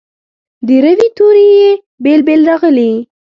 د روي توري یې بیل بیل راغلي.